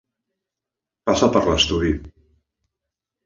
Passa per l'estudi.